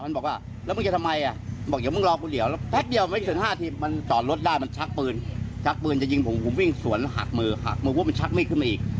มันบอกว่าแล้วมึงจะทำไมอ่ะบอกอย่ามึงรอกูเดี๋ยวแป๊บเดียวไม่ถึง๕ทีมันจอดรถได้มันชักปืนชักปืนจะยิงผมผมวิ่งสวนหักมือหักมือปุ๊บมันชักมีดขึ้นมาอีก